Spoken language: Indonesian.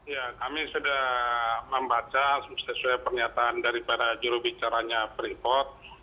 ya kami sudah membaca sesuai pernyataan daripada jurubicaranya freeport